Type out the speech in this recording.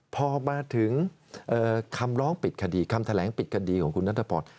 พอมาถึงคำร้องปิดคดีคำแถลงปิดคดีของคุณนัทพร